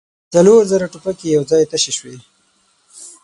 څلور زره ټوپکې يو ځای تشې شوې.